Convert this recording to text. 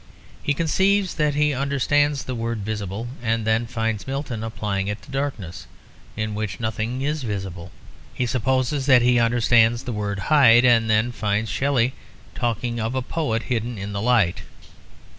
He conceives that he understands the word "visible," and then finds Milton applying it to darkness, in which nothing is visible. He supposes that he understands the word "hide," and then finds Shelley talking of a poet hidden in the light.